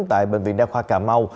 tại bệnh viện đa khoa cà mau